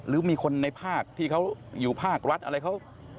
หรือมีคนในภาคที่เขาอยู่ภาครัฐอะไรเขา